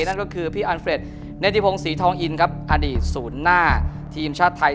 นั่นก็คือพี่อันเฟรดเนธิพงศรีทองอินครับอดีตศูนย์หน้าทีมชาติไทย